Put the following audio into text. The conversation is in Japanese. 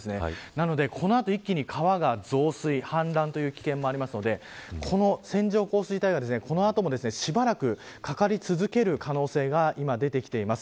なので、この後一気に川が増水氾濫という危険もあるのでこの線状降水帯がこのあとも、しばらくかかり続ける可能性が今、出てきています。